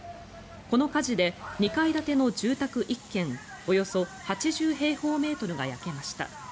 この火事で２階建ての住宅１軒およそ８０平方メートルが焼けました。